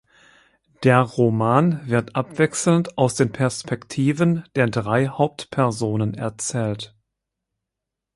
Der Roman wird abwechselnd aus den Perspektiven der drei Hauptpersonen erzählt.